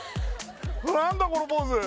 何だこのポーズ？